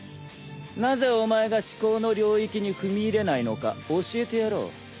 なぜお前が至高の領域に踏み入れないのか教えてやろう。